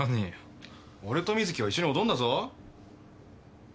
俺と瑞稀は一緒に踊んだぞ？